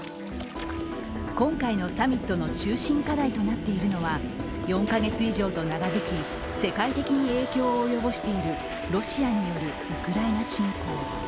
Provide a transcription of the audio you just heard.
今回のサミットの中心課題となっているのは４カ月以上と長引き世界的に影響を及ぼしているロシアによるウクライナ侵攻。